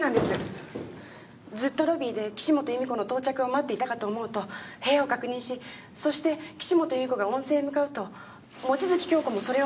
ずっとロビーで岸本由美子の到着を待っていたかと思うと部屋を確認しそして岸本由美子が温泉へ向かうと望月京子もそれを追って。